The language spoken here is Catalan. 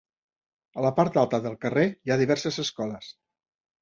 A la part alta del carrer hi ha diverses escoles.